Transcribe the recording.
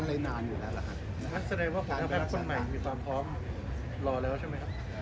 อะไรนานอยู่แล้วล่ะครับ